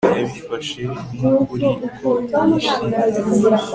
Yabifashe nkukuri ko yishimye